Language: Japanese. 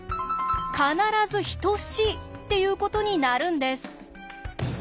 必ず等しいっていうことになるんです！